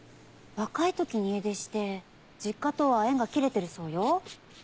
若いときに家出して実家とは縁が切れてるそうよ。